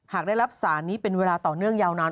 หากได้รับสารนี้เป็นเวลาต่อเนื่องยาวนาน